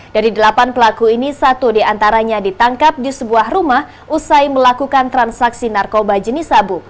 dari delapan pelaku ini satu diantaranya ditangkap di sebuah rumah usai melakukan transaksi narkoba jenis sabu